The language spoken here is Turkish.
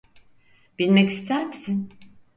Binmek ister misin?